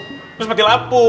terus mati lampu